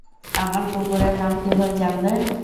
আমার কুকুরের নাম কীভাবে জানলে?